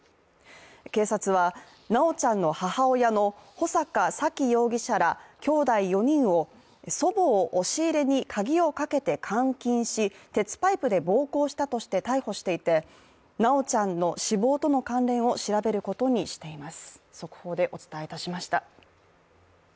警察は、ナオちゃんの母親のホサカサキ容疑者らを祖母を押し入れに鍵をかけて監禁し、鉄パイプで暴行したとして逮捕していて、ナオちゃんの死亡との関連を調べることにしています。